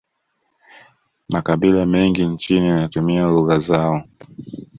makabila mengi nchini yanatumia lugha zao